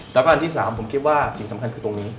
แล้วก็อันที่๓ผมคิดว่าสิ่งสำคัญคือตรงนี้